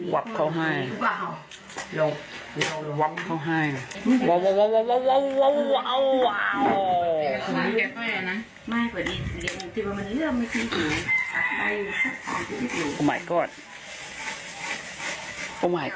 วับเขาให้วับเขาให้